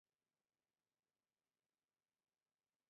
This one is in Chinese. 泪之宝石可以让持有者心想事成。